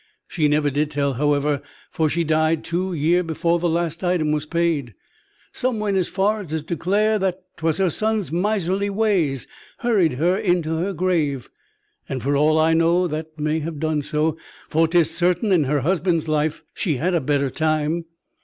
She never did tell, however, for she died two year before the last item was paid. Some went as far as to declare that 'twas her son's miserly ways hurried her into her grave; and, for all I know, they may have done so, for 'tis certain, in her husband's life, she had a better time.